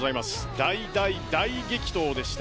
大大大激闘でした。